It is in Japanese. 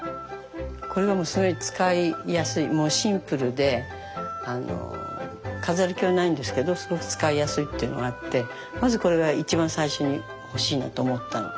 これがすごい使いやすいもうシンプルで飾り気はないんですけどすごく使いやすいっていうのがあってまずこれが一番最初に欲しいなと思ったの。